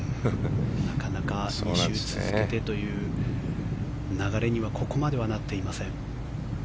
なかなか２週続けてという流れにはここまでは、なっていません。